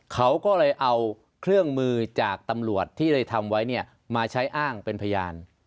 เขาก็เลยเอาเครื่องมือจากตำรวจที่เลยทำไว้เนี่ยมาใช้อ้างเป็นพยาน